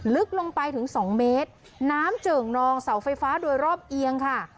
ลึกลงไปถึงสองเมตรน้ำเจิ่งนองเสาไฟฟ้าโดยรอบเอียงค่ะ